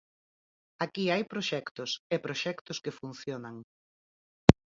Aquí hai proxectos, e proxectos que funcionan.